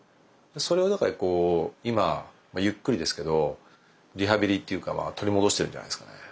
それをこう今ゆっくりですけどリハビリっていうかまあ取り戻してるんじゃないですかね。